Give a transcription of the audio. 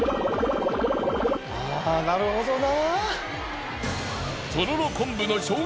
あなるほどな。